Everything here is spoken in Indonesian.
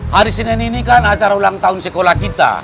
hari senin ini kan acara ulang tahun sekolah kita